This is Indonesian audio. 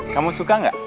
kamu suka gak